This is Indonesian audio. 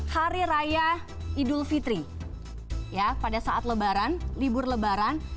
hari raya idul fitri pada saat lebaran libur lebaran